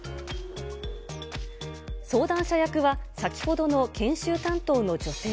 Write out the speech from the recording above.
相談者役は、先ほどの研修担当の女性。